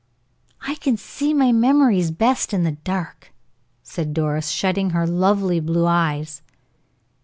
"I can see my memories best in the dark," said Doris, shutting her lovely blue eyes.